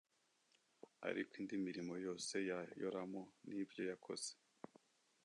Ariko indi mirimo yose ya Yoramu n ibyo yakoze